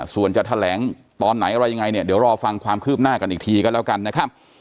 ส่วนจะแถลงตอนไหนอะไรยังไงเนี่ยเดี๋ยวรอฟังความคืบหน้ากันอีกทีก็แล้วกันนะครับ